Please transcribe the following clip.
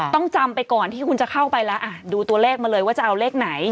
ต้องจำไปก่อนที่คุณจะเข้าไปแล้วดูตัวเลขมาเลยว่าจะเอาเลขไหน